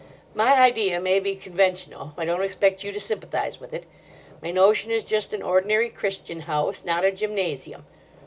My idea may be conventional. I don't expect you to sympathise with it. My notion is just an ordinary Christian house, not a gymnasium.